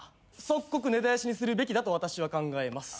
即刻根絶やしにするべきだと私は考えます。